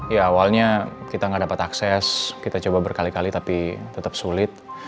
ya awalnya kita nggak dapat akses kita coba berkali kali tapi tetap sulit